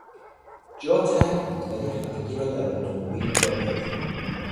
جا تنگ بود ولی همگی را در اتومبیل جا دادیم.